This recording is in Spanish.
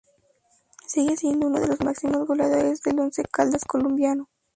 Sigue siendo uno de los máximos goleadores del Once Caldas colombiano.